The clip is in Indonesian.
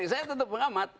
oke saya tetap pengamat